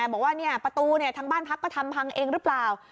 บอกว่าประตูทางบ้านพักก็ทำพังเองหรือเปล่า